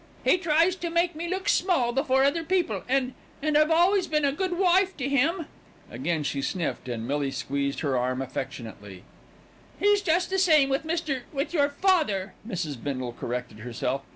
"He tries to make me look small before other people and and I've always been a good wife to him." Again she sniffed, and Millie squeezed her arm affectionately. "He's just the same with Mr. with your father," Mrs. Bindle corrected herself.